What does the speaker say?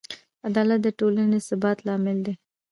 عدالت د ټولنې د ثبات لامل دی.